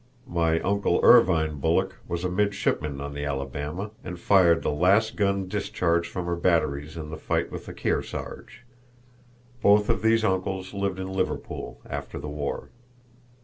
My uncle Irvine Bulloch was a midshipman on the Alabama, and fired the last gun discharged from her batteries in the fight with the Kearsarge. Both of these uncles lived in Liverpool after the war.